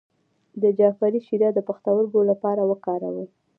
د جعفری شیره د پښتورګو لپاره وکاروئ